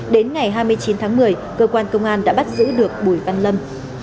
đến ngày hai mươi chín tháng một mươi cơ quan công an đã bắt giữ được bùi văn lâm